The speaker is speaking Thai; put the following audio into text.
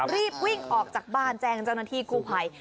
รีบวิ่งออกจากบ้านแจ้งเจ้าหน้าที่กู้ภัย